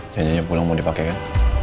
janjinya pulang mau dipakai kan